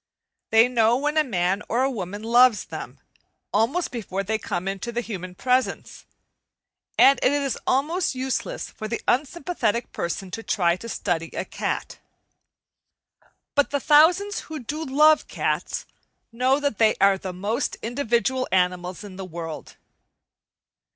They know when a man or a woman loves them, almost before they come into the human presence; and it is almost useless for the unsympathetic person to try to study a cat. But the thousands who do love cats know that they are the most individual animals in the world.